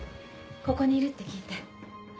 ここにいるって聞いて。